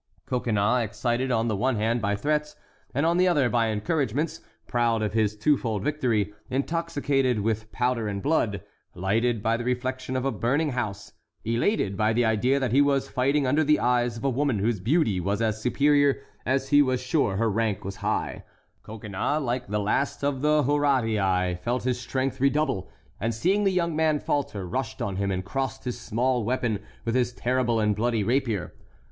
Coconnas, excited on the one hand by threats, and on the other by encouragements, proud of his two fold victory, intoxicated with powder and blood, lighted by the reflection of a burning house, elated by the idea that he was fighting under the eyes of a woman whose beauty was as superior as he was sure her rank was high,—Coconnas, like the last of the Horatii, felt his strength redouble, and seeing the young man falter, rushed on him and crossed his small weapon with his terrible and bloody rapier.